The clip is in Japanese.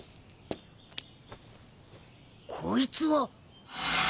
こいつは。